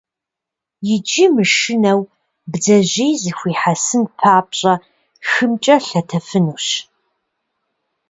Иджы, мышынэу, бдзэжьей зыхуихьэсын папщӀэ, хымкӀэ лъэтэфынущ.